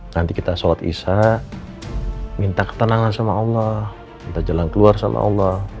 nanti kita sholat isya minta ketenangan sama allah minta jalan keluar sama allah